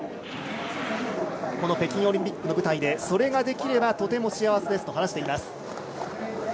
この北京オリンピックの舞台でそれができればとても幸せですと話しています。